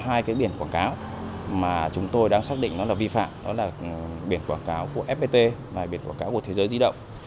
trong đó có hai biển quảng cáo mà chúng tôi đang xác định nó là vi phạm đó là biển quảng cáo của fpt và biển quảng cáo của thế giới di động